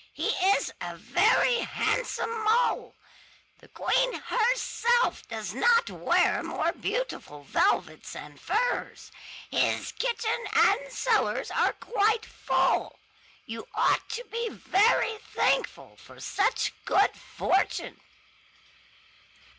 He is a very handsome mole; the queen herself does not wear more beautiful velvets and furs. His kitchen and cellars are quite full. You ought to be very thankful for such good fortune."